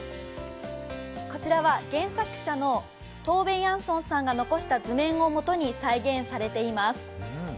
こちらは原作者のトーベ・ヤンソンさんが残した図面を元に再現されています。